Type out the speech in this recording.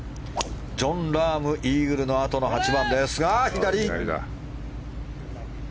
ジョン・ラームイーグルのあとの８番ですが左。